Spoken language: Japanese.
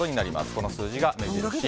この数字が目印。